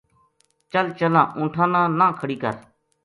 چل چلاں اُونٹھاں نا نہ کھڑی کر‘‘